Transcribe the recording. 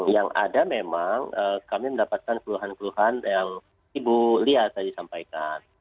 yang ada memang kami mendapatkan keluhan keluhan yang ibu lia tadi sampaikan